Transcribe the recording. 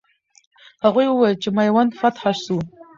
هغوی وویل چې میوند فتح سو.